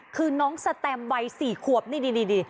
คือน้องสแตมวัย๔ขวบนี่